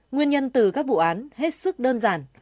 nguyên nhân từ các vụ án hết sức đơn giản